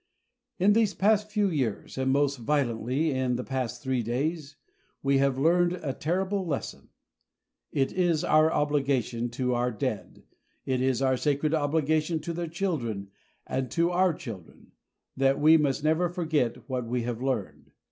In these past few years and, most violently, in the past three days we have learned a terrible lesson. It is our obligation to our dead it is our sacred obligation to their children and to our children that we must never forget what we have learned.